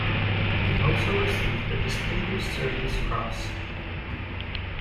He also received a Distinguished Service Cross.